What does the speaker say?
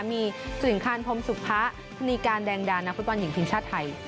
มีสินคารพรมศุภาพนีการแดงดาลนักฟุตบอลหญิงชาติไทย